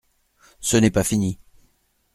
Ce n’est pas fini.